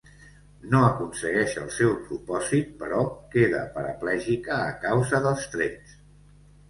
No aconsegueix el seu propòsit, però queda paraplègica a causa dels trets.